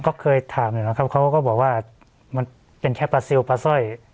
ก็เคยถามอยู่นะครับเขาก็บอกว่ามันเป็นแค่ปลาซิลปลาสร้อย